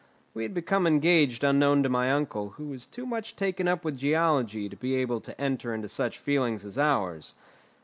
We had become engaged unknown to my uncle, who was too much taken up with geology to be able to enter into such feelings as ours.